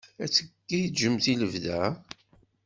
Ad tgiǧǧemt i lebda?